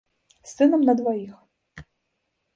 З сынам на дваіх.